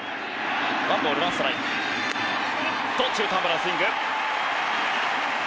中途半端なスイング。